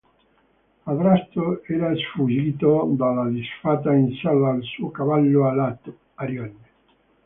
Adrasto era sfuggito dalla disfatta in sella al suo cavallo alato, Arione.